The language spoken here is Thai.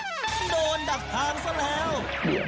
โดนดักทางซะแล้ว